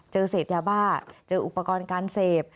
เจอเสพยาบ้าเจออุปกรณ์การเสพ